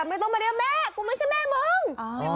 ไม่ต้องมาเรียกแม่กูไม่ใช่แม่มึง